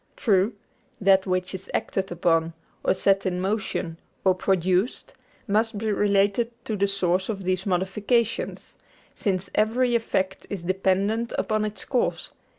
True, that which is acted upon, or set in motion, or produced, must be related to the source of these modifications, since every effect is dependent upon its cause.